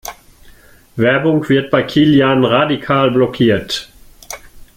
Werbung wird bei Kilian radikal blockiert.